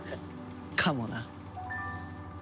かもな。